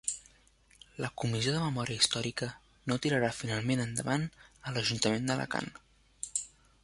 La Comissió de Memòria Històrica no tirarà finalment endavant a l'Ajuntament d'Alacant